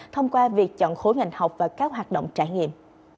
thông qua việc chọn khối ngành học và các hoạt động trải nghiệm